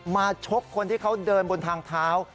ชกคนที่เขาเดินบนทางเท้า